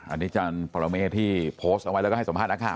อันนี้อาจารย์ประโลเมที่โพสต์เอาไว้แล้วก็ให้สมภาษณ์นักข่าวนะ